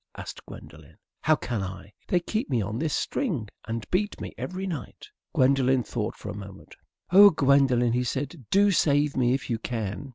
asked Gwendolen. "How can I? They keep me on this string and beat me every night." Gwendolen thought for a moment. "Oh, Gwendolen," he said, "do save me if you can!"